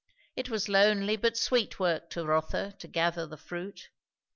It was lonely but sweet work to Rotha to gather the fruit.